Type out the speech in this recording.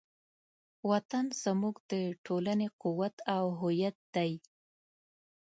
وطن زموږ د ټولنې قوت او هویت دی.